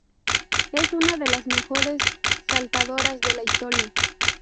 Es una de las mejores saltadoras de la historia.